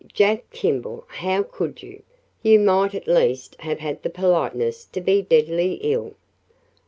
Jack Kimball, how could you? You might at least have had the politeness to be deadly ill."